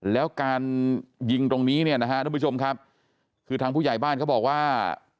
แล้วการยิงตรงนี้เนี่ยนะฮะทุกผู้ชมครับคือทางผู้ใหญ่บ้านเขาบอกว่า